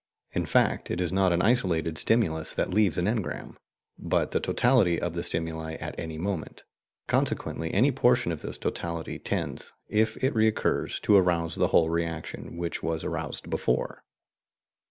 In fact, it is not an isolated stimulus that leaves an engram, but the totality of the stimuli at any moment; consequently any portion of this totality tends, if it recurs, to arouse the whole reaction which was aroused before.